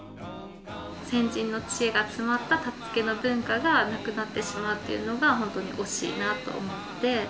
先人の知恵が詰まったたつけの文化がなくなってしまうっていうのが本当に惜しいなと思って。